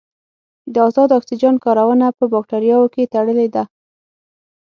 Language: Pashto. د ازاد اکسیجن کارونه په باکتریاوو کې تړلې ده.